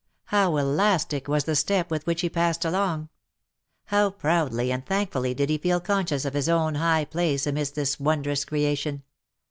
How elastic was the step with which he passed along ! How proudly and thank fully did he feel conscious of his own high place amidst this won drous creation